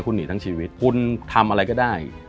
คุณหนีทั้งชีวิตคุณทำอะไรก็ได้